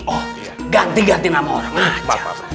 oh ganti ganti nama orang bapak